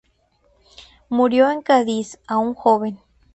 Murió en Cádiz, aún joven.